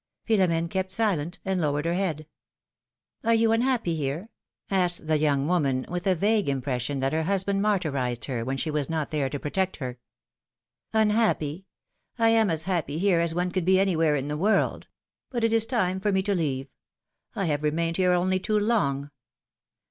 Philom^ne kept silent and lowered her head. 256 PHIL0M^:NE'S MARRIAGES. ^^Are you unhappy here?'^ asked the young woman, with a vague impression that her husband martyrized her, when she was not there to protect her. '^Unhappy! I am as happy here as one could be any where in the world. But it is time for me to leave ; I have remained here only too long.